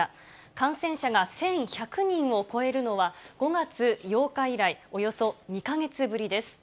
感染者が１１００人を超えるのは５月８日以来、およそ２か月ぶりです。